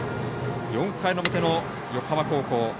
４回の表の横浜高校。